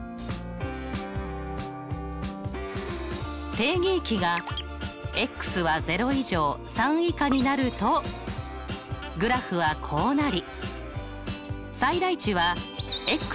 定義域がは０以上３以下になるとグラフはこうなり。